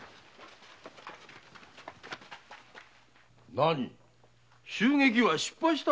なに襲撃は失敗した？